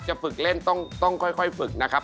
ฝึกเล่นต้องค่อยฝึกนะครับ